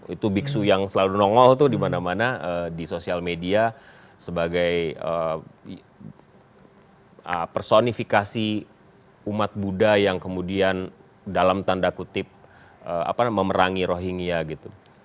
itu biksu yang selalu nongol tuh di mana mana di sosial media sebagai personifikasi umat buddha yang kemudian dalam tanda kutip memerangi rohingya gitu